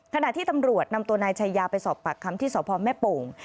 ขณะที่ตำรวจนำตัวนายชายาไปสอบปากคำที่สพแม่โป่ง